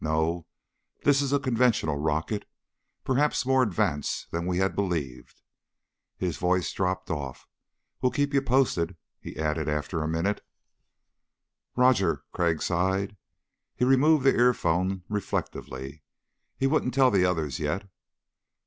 No, this is a conventional rocket ... perhaps more advanced than we had believed...." His voice dropped off. "We'll keep you posted," he added after a minute. "Roger." Crag sighed. He removed the earphone reflectively. He wouldn't tell the others yet.